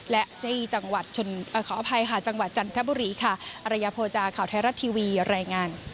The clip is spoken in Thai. และในจังหวัดจันทร์บุรีอารยโภจาข่าวไทยรัฐทีวีได้แรงงาน